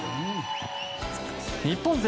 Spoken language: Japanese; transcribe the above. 日本勢